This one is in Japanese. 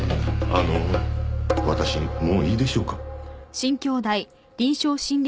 あの私もういいでしょうか？